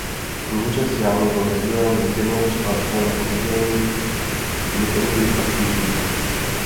Průřez jámy byl rozdělen zděnou přepážkou na oddělení větrní a těžní.